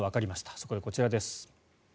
そこでこちらです。